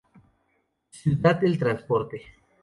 Ciudad del Transporte.